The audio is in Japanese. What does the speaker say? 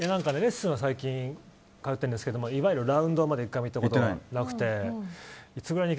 レッスンは最近通ってるんですけどもいわゆるラウンドはまだ１回も行ったことがなくて。